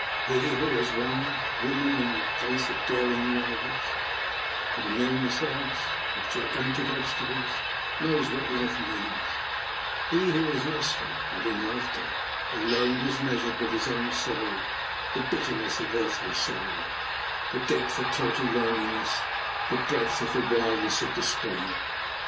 He who has won woman in the face of daring rivals, of enormous odds, of gigantic obstacles, knows what love means; he who has lost her, having loved her, alone has measured with his own soul the bitterness of earthly sorrow, the depth of total loneliness, the breadth of the wilderness of despair.